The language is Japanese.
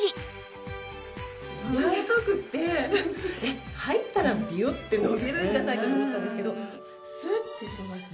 やわらかくって入ったらびよって伸びるんじゃないかと思ったんですけどスッてしました。